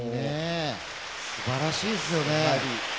素晴らしいですよね。